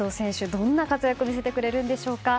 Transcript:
どんな活躍を見せてくれるんでしょうか。